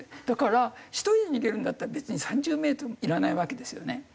だから１人で逃げるんだったら別に３０メートルもいらないわけですよね。